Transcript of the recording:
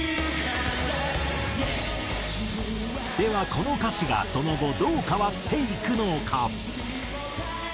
この歌詞がその後どう変わっていくのか。